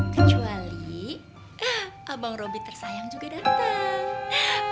kecuali abang robi tersayang juga dateng